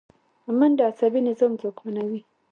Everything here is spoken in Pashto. منډه عصبي نظام ځواکمنوي